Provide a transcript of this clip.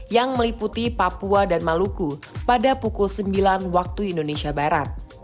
yang meliputi papua dan maluku pada pukul sembilan waktu indonesia barat